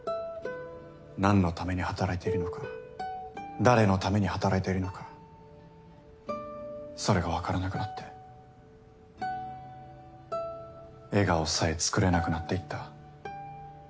何のために働いているのか誰のために働いているのかそれがわからなくなって笑顔さえ作れなくなっていった。